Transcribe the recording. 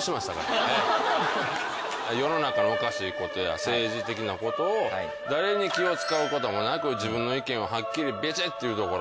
世の中のおかしいことや政治的なことを誰に気を遣うこともなく自分の意見をはっきりビチって言うところ。